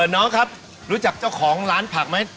น้องครับรู้จักเจ้าของร้านผักไหม